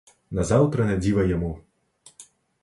Назаўтра на дзіва яму!